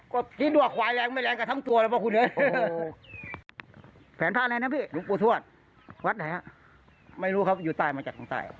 ก็จริงด้วยควายแรงไม่แรงกับทั้งตัวอย่างเคราะห์พระสมชาติ